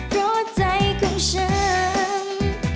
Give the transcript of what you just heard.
เพราะใจของฉัน